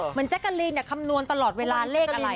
เหมือนแจ๊กาลีนเนี่ยคำนวณตลอดเวลาเลขอะไร